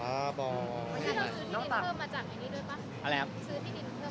บ้านน้องแมวสรุปแพงกว่าบ้านผม